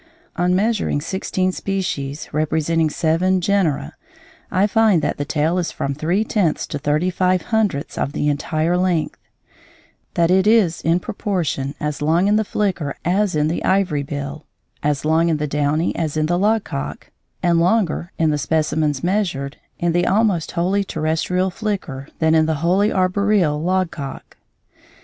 On measuring sixteen species, representing seven genera, I find that the tail is from three tenths to thirty five hundredths of the entire length; that it is, in proportion, as long in the flicker as in the ivory bill, as long in the downy as in the logcock, and longer (in the specimens measured) in the almost wholly terrestrial flicker than in the wholly arboreal logcock.